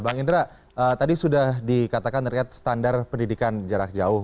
bang indra tadi sudah dikatakan terkait standar pendidikan jarak jauh